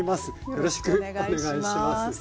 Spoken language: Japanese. よろしくお願いします。